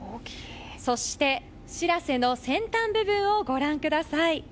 そして、「しらせ」の先端部分をご覧ください。